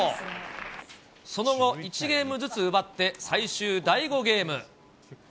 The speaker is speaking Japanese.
その後、１ゲームずつ奪って最終第５ゲーム。